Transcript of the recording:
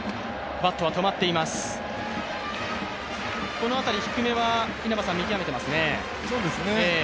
この辺り、低めは見極めてますね。